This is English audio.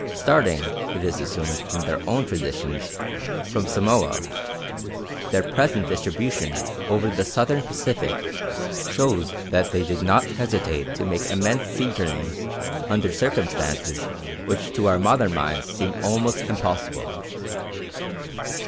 Starting, it is assumed from their own traditions, from Samoa, their present distribution over the Southern Pacific shows that they did not hesitate to make immense sea journeys under circumstances which to our modern minds seem almost impossible.